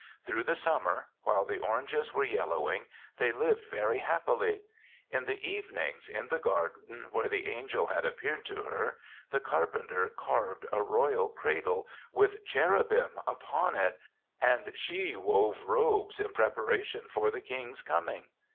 Through the sum mer, while the oranges were yellow ing, they lived very happily. In the evenings, in the garden where the angel had appeared to her, the car penter carved a royal cradle, with cherubim upon it, and she wove robes in preparation for the King's com ing.